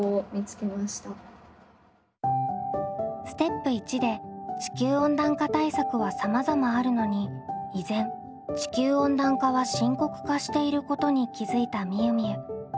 ステップ①で地球温暖化対策はさまざまあるのに依然地球温暖化は深刻化していることに気付いたみゆみゆ。